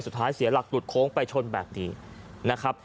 สุดท้ายเสียหลักตุดโค้งไปชนแบบนี้นะครับ